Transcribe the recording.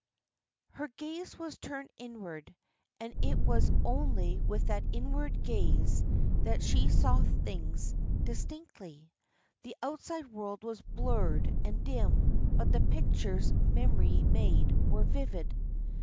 Her gaze was turned inward; and it was only with that inward gaze that she saw things distinctly. The outside world was blurred and dim, but the pictures memory made were vivid.